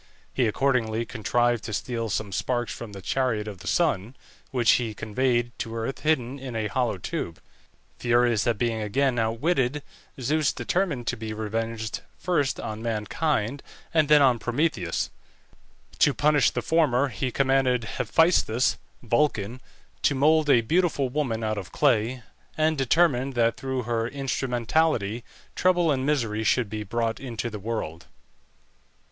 He accordingly contrived to steal some sparks from the chariot of the sun, which he conveyed to earth hidden in a hollow tube. Furious at being again outwitted, Zeus determined to be revenged first on mankind, and then on Prometheus. To punish the former he commanded Hephæstus (Vulcan) to mould a beautiful woman out of clay, and determined that through her instrumentality trouble and misery should be brought into the world.